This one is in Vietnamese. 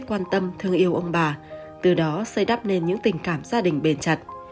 quan tâm thương yêu ông bà từ đó xây đắp nên những tình cảm gia đình bền chặt